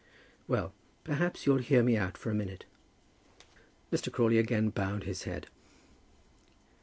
"Well, perhaps you'll hear me out for a minute." Mr. Crawley again bowed his head.